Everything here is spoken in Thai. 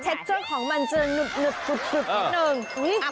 เจอร์ของมันจะหนึบนิดนึง